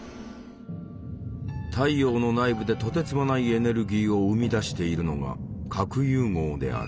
太陽の内部でとてつもないエネルギーを生み出しているのが核融合である。